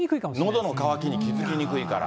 のどの渇きに気付きにくいから。